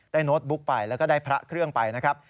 โน้ตบุ๊กไปแล้วก็ได้พระเครื่องไปนะครับ